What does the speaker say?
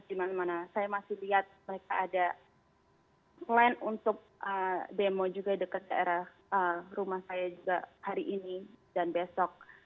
dimana mana saya masih lihat mereka ada plan untuk demo juga dekat daerah rumah saya juga hari ini dan besok